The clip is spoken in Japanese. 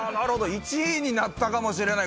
１位になったかもしれない？